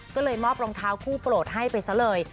ก็เลยมอบรองเท้าคู่โปรดให้ไปซะเลย